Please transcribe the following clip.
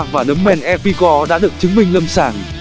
và nấm men airpigore đã được chứng minh lâm sản